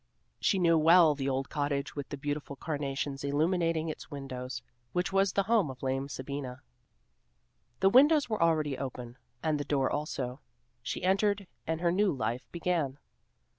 She knew well the old cottage with the beautiful carnations illuminating its windows, which was the home of lame Sabina. The windows were already open, and the door also. She entered and her new life began.